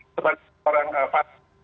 sebagai seorang pak